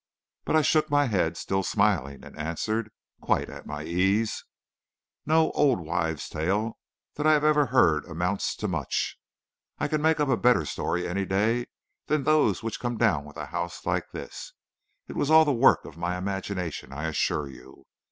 But I shook my head, still smiling, and answered, quite at my ease: "No old wife's tale that I have ever heard amounts to much. I can make up a better story any day than those which come down with a house like this. It was all the work of my imagination, I assure you.